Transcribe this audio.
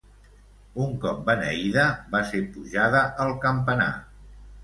Un cop beneïda, va ser pujada al campanar.